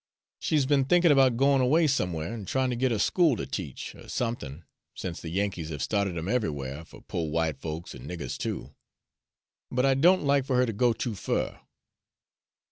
She's be'n thinkin' about goin' away somewhere an' tryin' to git a school to teach, er somethin', sence the Yankees have started 'em everywhere for po' white folks an' niggers too. But I don't like fer her to go too fur."